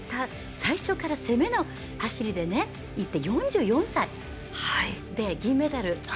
最初から攻めの走りでいって４４歳で銀メダル。